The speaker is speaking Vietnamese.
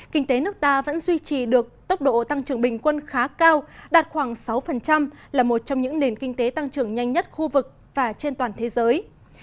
kinh tế nước ta vẫn duy trì được tốc độ tăng trưởng bình quân khá cao đạt khoảng sáu là một trong những nền kinh tế tăng trưởng nhanh nhất khu vực và trên toàn thế giới